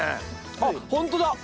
あっホントだ！